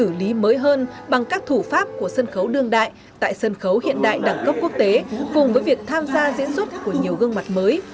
bản dựng lần này được xử lý mới hơn bằng các thủ pháp của sân khấu đương đại tại sân khấu hiện đại đẳng cấp quốc tế cùng với việc tham gia diễn xuất của nhiều gương mặt mới